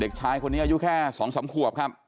เด็กชายคนนี้อายุแค่สองสามขวบครับ